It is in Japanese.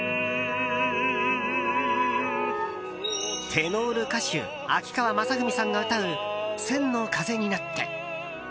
テノール歌手秋川雅史さんが歌う「千の風になって」。